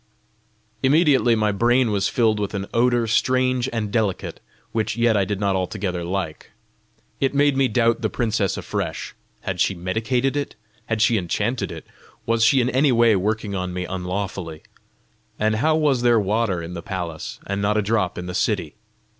Immediately my brain was filled with an odour strange and delicate, which yet I did not altogether like. It made me doubt the princess afresh: had she medicated it? had she enchanted it? was she in any way working on me unlawfully? And how was there water in the palace, and not a drop in the city?